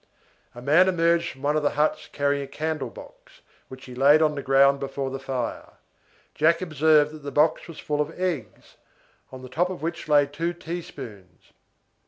A man emerged from one of the huts carrying a candle box, which he laid on the ground before the fire. Jack observed that the box was full of eggs, on the top of which lay two teaspoons.